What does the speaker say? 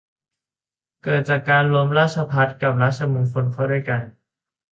เกิดจากการรวมราชภัฏกับราชมงคลเข้าด้วยกัน